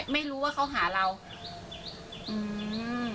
ไม่รู้ว่าเขาหาเราอืม